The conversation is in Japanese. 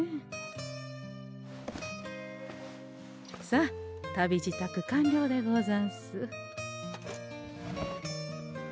さあ旅支度完了でござんす。